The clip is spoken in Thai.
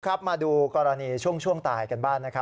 มาดูกรณีช่วงตายกันบ้างนะครับ